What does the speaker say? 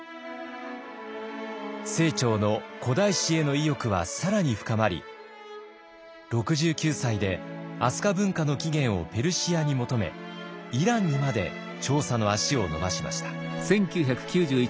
清張の古代史への意欲は更に深まり６９歳で飛鳥文化の起源をペルシアに求めイランにまで調査の足を延ばしました。